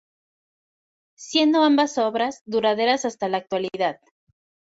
Siendo ambas obras duraderas hasta la actualidad.